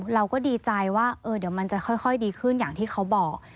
เราก็ดีใจว่าเดี๋ยวมันจะค่อยดีขึ้นอย่างที่เขาบอก